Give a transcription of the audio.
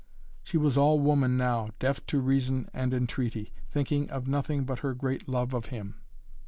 She was all woman now, deaf to reason and entreaty, thinking of nothing but her great love of him.